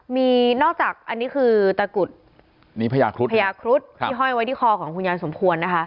มีนอกจากอันนี้คือตะกรุดนี่พญาครุฑพญาครุฑที่ห้อยไว้ที่คอของคุณยายสมควรนะคะ